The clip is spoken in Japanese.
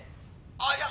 あっいや